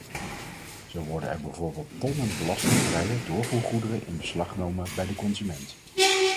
Zo worden er bijvoorbeeld tonnen belastingvrije doorvoergoederen in beslag genomen bij de consument.